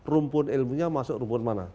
rumpun ilmunya masuk rumpun mana